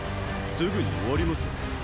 すぐに終わります。